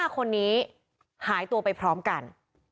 ๕คนนี้หายตัวไปพร้อมกัน